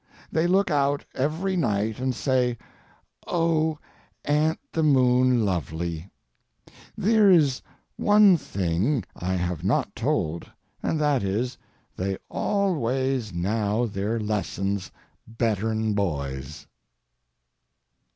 They look out every nite and say, 'Oh, a'nt the moon lovely!'—Thir is one thing I have not told and that is they al ways now their lessons bettern boys."